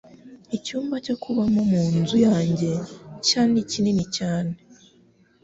Icyumba cyo kubamo munzu yanjye nshya ni kinini cyane.